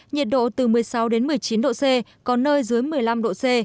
nhiệt độ từ một mươi sáu đến một mươi chín độ c có nơi dưới một mươi năm độ c